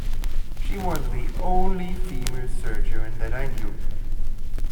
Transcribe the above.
She was the only female surgeon that I knew.